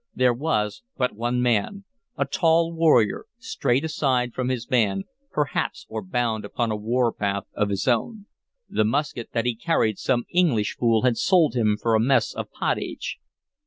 There was but one man, a tall warrior, strayed aside from his band, perhaps, or bound upon a warpath of his own. The musket that he carried some English fool had sold him for a mess of pottage.